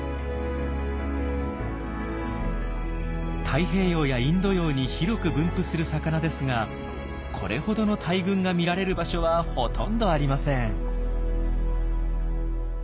太平洋やインド洋に広く分布する魚ですがこれほどの大群が見られる場所はほとんどありません。